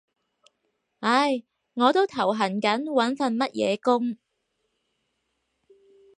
唉，我都頭痕緊揾份乜嘢工